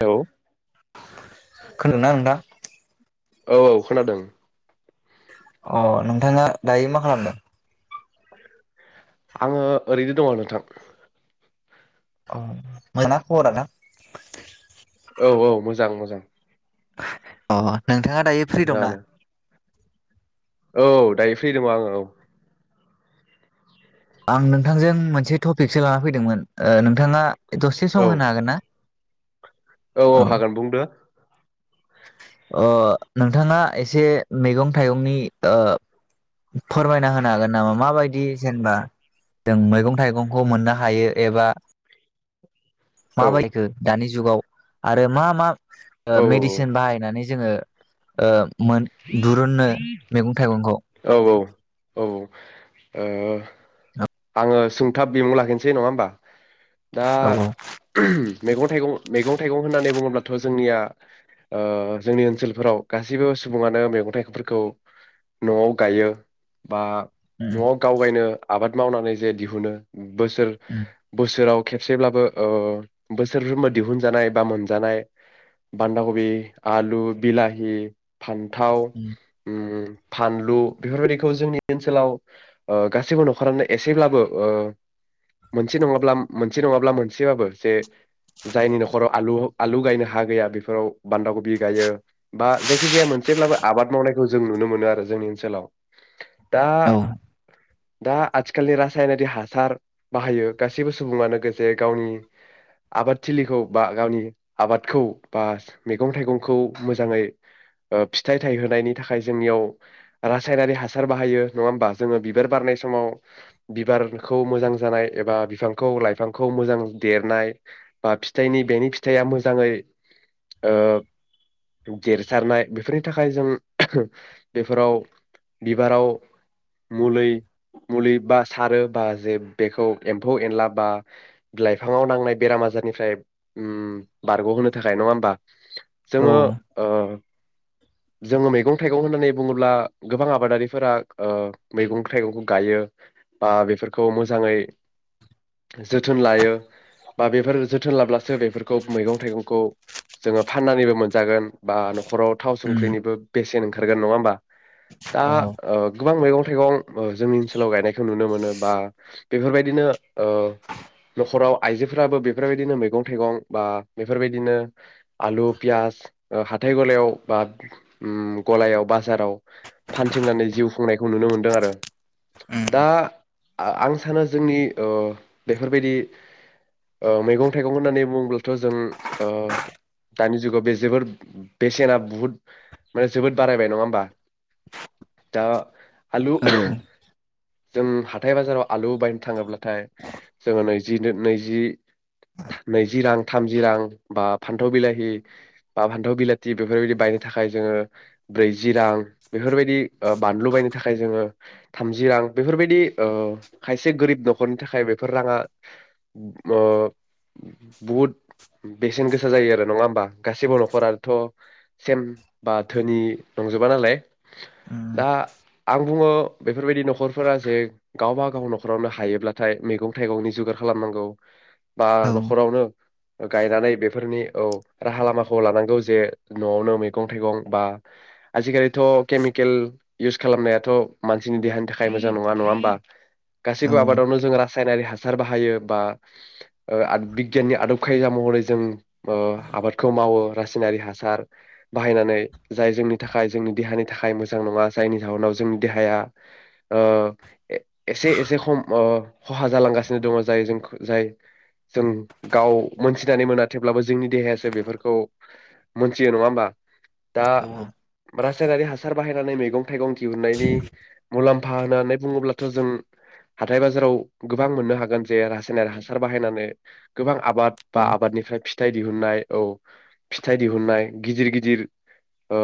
Hello [unintelligible] खोनादोंना नोंथां? औ खोनादों। अ नोंथाङा दायो मा खालामदों? आङो ओरैनो दङ नोंथां। औ मोजांना खबरा नोंथा? औ औ मोजां मोजां। अ अ नोंथाङा दायो फ्रि दंना? मोजाङानो औ दायो फ्रि दङ आङो औ आं नोंथांजों मोनसे टपिकसो लाना फैदोंमोन ओ नोंथाङा दसे औ सम होनो हागोन ना? औ औ हागोन बुंदो अ नोंथाङा एसे मैगं थाइगंनि ओ फोरमायना होनो हागोन नामा माबायदि जेनेबा जों मैगं थाइगंखौ मोननो हायो एबा औ माबायदिखो दानि जु जुगाव आरो मा मा ओ औ मेडिसिन बाहायनानै जोङो ओ मोन दुरुननो मेगं थाइगंखौ। औ औ ओ औ आङो सुंथाब बिमुं लाखिनोसै नङा होमबा? दा औ मेगं थाइगं मेगं थाइगं होननानै बुङो ब्लाथ' जोंनिया ओ जोंनि ओनसोलफोराव गासैबो सुबुङानो मैगं थाइगंफोरखौ न'आव गायो। बा उम नवाव गावगायनो आबाद मावनानै जे दिहुनो बोसोर उम बोसोराव खेबसेब्लाबो ओ बोसोरफ्रोमबो दिहुनजानाय बा मोनजानाय बान्दा खबि, आलु, बिलाहि, फान्थाव उम उम फानलु बेफोरबायदिखौ जोंनि ओनसोलाव ओ गासैबो न'खरानो एसेब्लाबो ओ मोनसे नङाब्ला मोनसे नङाब्ला मोनसेबाबो जे जायनि न'खराव आलु आलु गायनो हा गैया बेफोराव बान्दा खबि गायो बा जायखि जाया मोनसेब्लाबो आबाद मावनायखौ जों नुनो मोनो आरो जोंनि ओनसोलाव। दा औ दा आथिखालनि रासायनारि हासार बाहायो गासैबो सुबुङानो लोगोसे गावनि आबादथिलिखौ बा गावनि आबादखौ बा मैगं थाइगंखौ मोजाङै ओ फिथाइ थायहोनायनि थाखाय जोंनियाव रासायनारि हासार बाहायो नङा होमबा। जोङो बिबार बारनाय समाव बिबारखौ मोजां जानाय एबा बिफांखौ लाइफांखौ मोजां देरनाय बा फिथाइनि बेनि फिथाइया मोजाङै ओ देरथारनाय बेफोरनि थाखाय जों बेफोराव बिबाराव मुलै मुलि बा सारो बा जे बेखौ एम्फौ एनला बा लाइफाङाव नांनाय बेराम आजारनिफ्राय उम बारग'होनो थाखाय नङा होमबा। जोंङो ओ जोङो मैगं थाइगं होननानै बुङोब्ला गोबां आबादारिफोरा ओ मैगं थाइगंखौ गायो बा बेफोरखौ मोजाङै जोथोन लायो बा बेफोर जोथोन लाब्लासो बेफोरखौ मैगं थाइगंखौ जोङो फाननानैबो मोनजागोन बा न'खराव थाव संख्रिनिबो बेसेन ओंखारगोन नङा होमबा। दा ओ गोबां मैगं थाइगं ओ जोंनि ओनसोलाव गायनायखौ नुनो मोनो बा बेफोरबायदिनो ओ न'खराव आइजोफोराबो बेफोरबायदिनो मैगं थाइगं बा बेफोरबायदिनो आलु पियास हाथाय गलायाव बा उम गलायाव बाजाराव फानथिंनानै जिउ खुंनायखौ नुनो मोनदों आरो। दा आं सानो जोंनि ओ बेफोरबायदि ओ मैगं थाइगं होननानै बुङोब्लाथ' जों ओ दानि जुगाव बे जोबोर बेसेना बुहुद माने जोबोद बारायबाय नङा होमबा। दा आलु जों हाथाय बाजाराव आलु बायनो थाङोब्लाथाय जोङो नैजि नैजि नैजि रां थामजि रां बा फान्थाव बिलाहि बा फान्थाव बिलाथि बेफोरबायदि बायनो थाखाय जोङो ब्रैजि रां बेफोरबायदि बानलु बायनो थाखाय जोङो थामजि रां बेफोरबायदि ओ खायसे गोरिब न'खरनि थाखाय बेफोर राङा ओ बहुद बेसेन गोसा जायो आरो नङा होमबा गाैबो न'खराथ' सेम बा धोनि नंजोबा नालाय। दा आं बुङो बेफोरबायदि नखरफोरा जे गावबा गाव नखरावनो हायोब्लाथाय मैगं थाइगंनि जुगार खालामनांगौ। बा न'खरावनो गायनानै बेफोरनि औ राहा लामाखौ लानांगौ जे न'आवनो मैगं थाइगं बा आजिखालिथ' केमिकेल इउस खालामनायाथ' मानसिनि देहानि थाखाय मोजां नङा नङा होमबा। गासैबो आबादावनो जों रासायनारि हा सार बाहायो बा बिगियाननि आदब खायदा महरै जों आबादखौ मावो रासायनारि हासार बाहायनानै। जाय जोंनि थाखाय जोंनि देहानि थाखाय मोजां नङा जायनि जाहनाव जों देहाया ओ एसे एसे खम खहा जालांगासिनो दङ जाय जों जाय जों गाव मोनथिनानै मोना थेवब्लाबो जोंनि देहायासो बेफोरखौ मोनथियो नङा होमबा‌। औ। रासायनारि हासार बाहायनानै मैगं थाइगं दिहुननायनि मुलाम्फा होननानै बुङोब्लाथ' जों हाथाय बाजाराव गोबां मोननो हागोन जे रासायनारिक हासार बाहायनानै गोबां आबाद बा आबादनिफ्राय फिथाइ दिहुननाय औ फिथाइ दिहुननाय गिदिर गिदिर ओ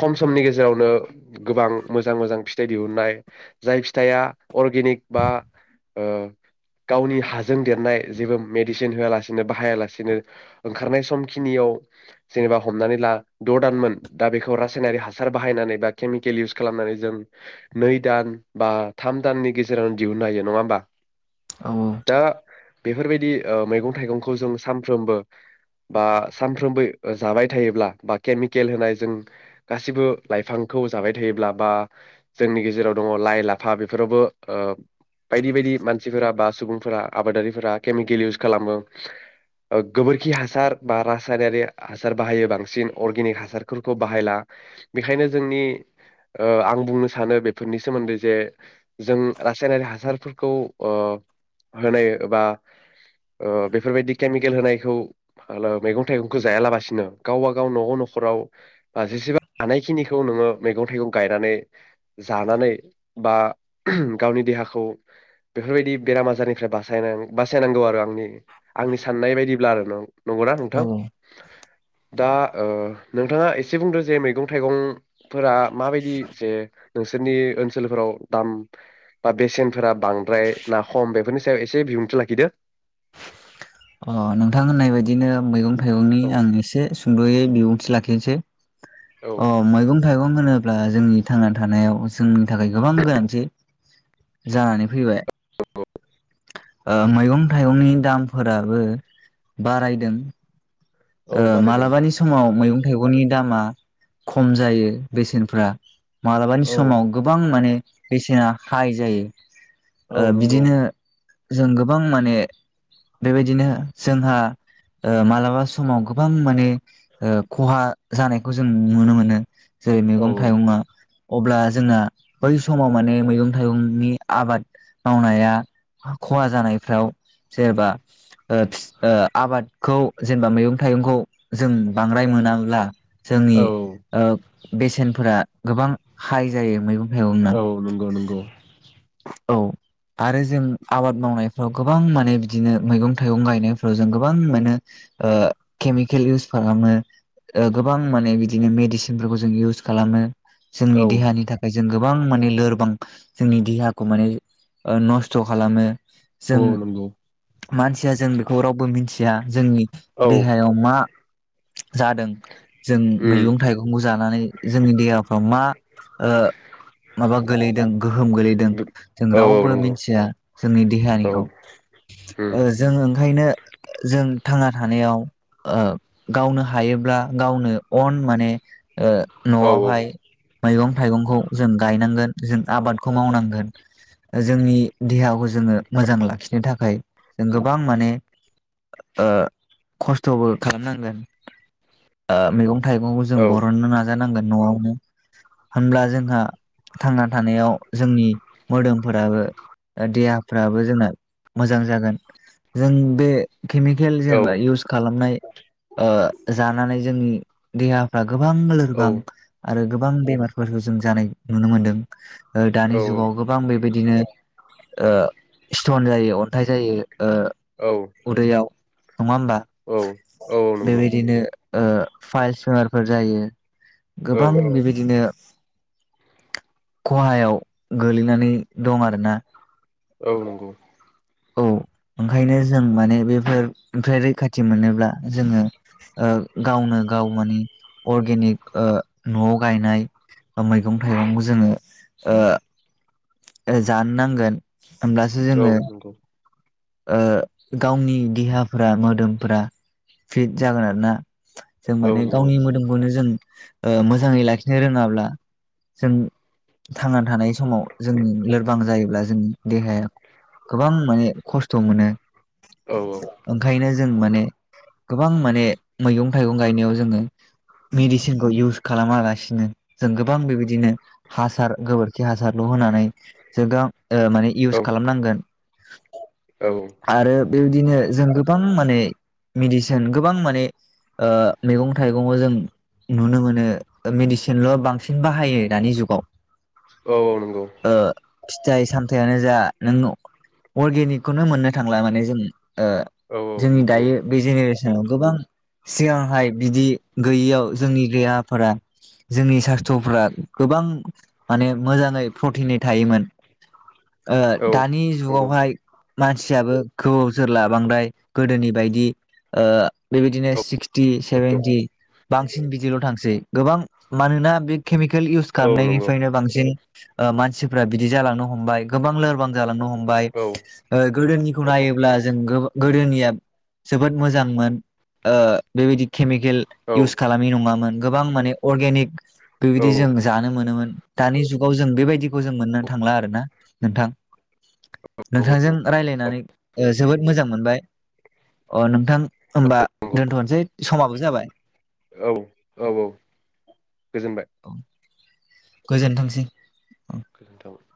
खम समनि गेजेरावनो गोबां मैगं मोजां मोजां फिथाइ दिहुननाय जाय फिथाइआ अर्गेनिक बा ओ गावनि हासार जों देरनाय जेबो मेडिसिन होआलासे बाहाया लासेनो ओंखारनाय समखिनियाव जेनेबा हमनानै ला द' दानमोन दा बेखौ रासायनारिक हासार बाहायनानै बा केमिकेल इउस खालामनानै जों नै दान बा थाम दाननि गेजेराव दिहुननो हायो नङा होमबा औ दा बेफोरबायदि ओ मैगं थाइगंखौ जों सानफ्रोमबो बा सानफ्रोमबो जाबाय थायोब्ला बा केमिकेल होनाय जों गासिबो लाइफांखौ जाबाय थायोब्ला बा जोंनि गेजेराव दङ लाइ लाफा बेफोरावबो बायदि बायदि मानसिफोरा बा सुबुंफोरा आबादारिफोरा केमिकेल इउस खालामो गोबोरखि हासार बा रासायनारि हासार बाहायो बांसिन अर्गेनिक हासारफोरखौ बाहायला बेखायनो जोंनि ओ आं बुंनो सानो बेफोरनि सोमोन्दै जे जों रासायनारि हासारफोरखौ होनाय बा बेफोरबायदि केमिकेल होनायखौ मैगं थाइगंखौ जायालाबसिनो गावबा गाव न'आव न'खराव बा जेसेबां हानायखिनिखौ नोङो मैगं थाइगं गायनानै जानानै बा गावनि देहाखौ बेफोरबायदि बेराम आजारनिफ्राय बासायनानै बासायनांगौ आरो आंनि आंनि साननाय बायदिब्ला आरो नंगौना औ नोंथां दा ओ नोंथाङा एसे बुंदो जे मैगं थाइगंफोरा माबायदि जे नोंसोरनि ओनसोलफोराव दाम बा बेसेनफोरा बांद्राय ना खम बेफोरनि सायाव एसे बिबुंथि लाखिदो अ नोंथां होननाय बायदिनो मैगं थाइगंनि औ आं एसे सुंद'यै बिबुंथि लाखिनोसै औ अ मैगं थाइगं होनो ब्ला जोंनि थांना थानायाव जोंनि थाखाय गोबां गोनांथि जानानै फैबाय ओ मैगं थाइगंनि दामफोराबो बारायदों ओ औ बारायदों मालाबानि समाव मैगं थाइगंनि दामा खम जायो बेसेनफ्रा मालाबानि औ समाव गोबां माने बेसेना हाय जायो ओ औ नंगौ बिदिनो जों गोबां माने बेबायदिनो जोंहा ओ मालाबा समाव गोबां माने ओ खहा जानायखौ जों नुनो मोनो। जेरै औ मैगं थाइगंआ अब्ला जोंना बै समाव माने मैगं थाइगंनि आबाद मावनाया खहा जानायफ्राव जेबा ओ फिस ओ आबादखौ जेनेबा मैगं थाइगंखौ जों बांद्राय मोनाब्ला जोंनि औ ओ बेसेनफोरा गोबां हाइ जायो मैगं थाइगंना औ नंगौ-नंगौ औ आरो जों आबाद मावनायफ्राव गोबां माने बिदिनो मैगं थाइगं गायनायफ्राव जों गोबां मोनो ओ केमिकेल इउस खालामो ओ गोबां माने बिदिनो मेडिसिनफोरखौ जों इउस खालामो जोंनि औ देहानि थाखायजो जों गोबां माने लोरबां जोंनि देहा खौ माने ओ नस्थ' खालामो। अ जों नंगौ। मानसिया जों बेखौ रावबो मिनथिया, जोंनि औ देहायाव मा जादों जों उम मैगं थाइगंखौ जानानै। जोंनि देहा फ्राव मा ओ माबा गोलैदों गोहोम गोलैदों। जों औ औ रावबो नंगौ मिथिया। जोंनि औ देहानिखौ उम ओ जों ओंखायनो ओ जों। थांना थानायाव ओ गावनो हायोब्ला गावनो अन माने। ओ औ न'आवहाय मैगं थाइगंखौ जों गायनांगोन जों आबादखौ मावनांगोन। जोंनि देहाखौ जोङो मोजां लाखिनो थाखाय जों गोबां माने ओ खस्थ'बो खालामनांगोन ओ मैगं। थाइगंखौ जों औ बरहननो नाजानांगोन। न'आवनो होनब्ला जोंहा थांना थानायाव जोंनि। मोदोमफोराबो देहाफ्राबो जोंना मोजां जागोन जों बे। केमिकेल जेनेबा औ इउस खालामनाय। ओ जानानै जोंनि देहाफ्रा। गोबां लोरबां औ आरो गो। गोबां बेमारफोरखौ जों जानाय नुनो मोनदों। ओ औ औ दानि जुगाव गो बेबायदिनो ओ स्थन जायो अन्थाइ जायो। औ ओ उदैयाव। नङा होमबब्ला? औ नंगौ बेबायदिनो। ओ फाइलस बेमारफोर जायो। औ गोबां बेबायदिनो। खहायाव गोलै। नानै दं आरो ना? औ नंगौ। औ ओंखायनो जों माने बेफोर ओमफ्राय रैखाथि मोनोब्ला। जोङो, ओ गावनो गाव माने अर्गेनिक ओ न'आव गायनाय मैगं थाइगंखौ जोङो ओ। ओ जानो नांगोन। ओमब्लासो औ जोङो। नंगौ ओ गावनि देहाफोरा मोदोमफ फिट जागोन आरोना। जों औ माने नंगौ गावनि मोदोमखौनो जों ओ मोजाङै लाखिनो रोङाब्ला जों थांना थानाय समाव जों लोरबां जायोब्ला जों देहाया गोबां माने। खस्थ' मोनो। औ नंगौ ओंखायनो जों माने। गोबां माने मैगं थाइगं गायनायाव जोङो मेडिसिनखौ इउस खालामालासिनो जों गोबां बेबायदिनो हासार गोबोरखि हासारल' होनानै [unintelligible] ओ माने इउस खालामनांगोन। औ आरो बेबिदिनो जों गोबां माने मेडिसिन गोबां माने ओ मैगं थाइगंङाव जों नुनो मोनो मेडिसिनल' बांसिन बाहायो दानि जुगाव। औ औ नंगौ। ओ फिथाइ सामथाययानो जा नों अर्गेनिकखौनो मोननो थांला माने जों। ओ औ जोंनि नंगौ दायो बे जेनेरेसन औ गोबां सिगांहाय बिदि गैयैयाव जोंनि देहाफोरा जोंनि सास्थ्रफ्रा गोबां माने मोजाङै प्रटिनै थायोमोन। ओ औ औ दानि नंगौ जुगावहाय। मानसियाबो गोबाव जोरला बांद्राय गोदोनि बायदि ओ बेबायदिनो सिक्सटि सेभेेनटि बांसिन बिदिल' थांसै गोबां मानोना बे केमिकेल इउस औ औ नंगौ खालामनायनिफ्रायनो बांसिन मानसिफ्रा बिदि जालांनो हमबाय गोबां लोरबां जालांनो हमबाय। ओ गोदोनिखौ नायोब्ला जों [unintelligible] गोदोनिया जोबोद मोजांमोन ओ बेबायदि केमिकेल औ इउस खालामि नङामोन। गोबां माने अर्गेनिक बेबायदि औ जों जानो मोनोमोन। दानि जुगाव जों बेबायदिखौ जों मोननो थांला आरो ना नोंथां? [inaudible] नोंथांजों रायज्लायनानै ओ जोबोद मोजां मोनबाय अ नोंथां होमबा दोनथ'नोसै समाबो जाबाय गोजोनबाय औ [inaudible] गोजोनथोंसै। औ गोजोनथाव